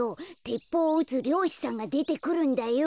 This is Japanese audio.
てっぽうをうつりょうしさんがでてくるんだよ。